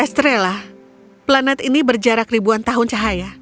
estrella planet ini berjarak ribuan tahun cahaya